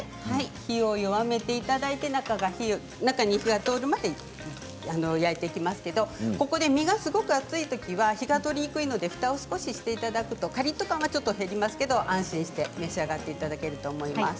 火を弱めていただいて中に火が通るまで焼いていきますけれども身がすごく厚い場合は火が通りにくいのでふたを少ししていただくとカリっと感がちょっと減りますが安心して召し上がっていただけると思います。